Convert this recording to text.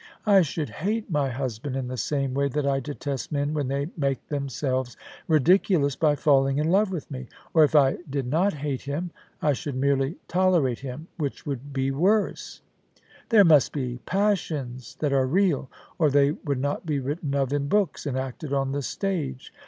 I should hate my husband in the same way that I detest men when they make them selves ridiculous by falling in love with me ; or if I did not hate him, I should merely tolerate him, which would be worse. There must be passions that are real, or they would not be written of in books and acted on the stage.